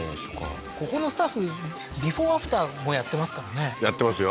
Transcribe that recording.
ここのスタッフビフォーアフターもやってますからねやってますよ